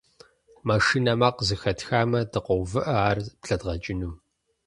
Машинэ макъ зэхэтхамэ, дыкъоувыӀэ, ар блэдгъэкӀыну.